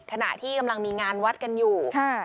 ขณะที่กำลังมีงานวัดกันอยู่